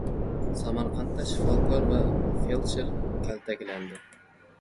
Samarqandda shifokor va feldsher kaltaklandi